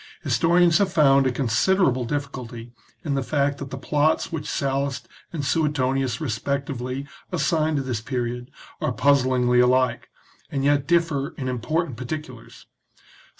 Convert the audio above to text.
Historians have found a considerable difficulty in the fact that the plots which Sallust and Suetonius respectively assign to this period are puzzlingly alike, and yet differ in impor tant particulars.